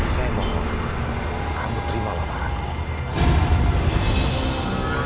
saya mohon kamu terima laparan